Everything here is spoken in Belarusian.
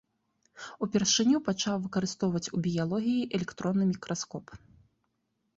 Упершыню пачаў выкарыстоўваць у біялогіі электронны мікраскоп.